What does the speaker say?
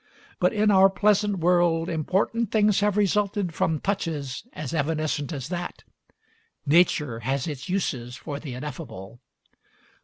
But in our pleasant world important things have resulted from touches as evanescent as that. Nature has its uses for the ineffable.